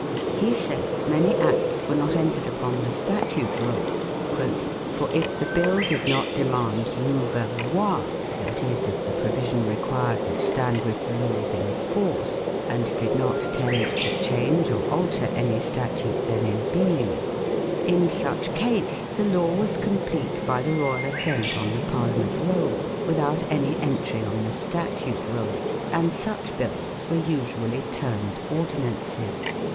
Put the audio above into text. He says many acts were not entered upon the Statute Roll, " For if the Bill did not demand ' Novel Ley/ that is, if the Provision required would stand with the Laws in Force, and did not tend to change or alter any Statute then in being, in such Case the Law was compleat by the Royal Assent on the Parliament Roll, without any Entry on the Statute Roll : and Such Bills were usually termed Ordinances."